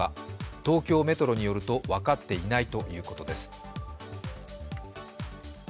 東京メトロによると、分かっていないということです。